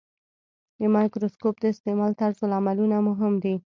د مایکروسکوپ د استعمال طرزالعملونه مهم دي.